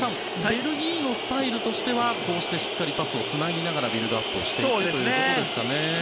ベルギーのスタイルとしてはしっかりパスをつなぎながらビルドアップをしていくということですかね。